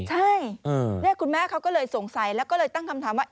ใช่คุณแม่เขาก็เลยสงสัยแล้วก็เลยตั้งคำถามว่า